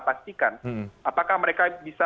pastikan apakah mereka bisa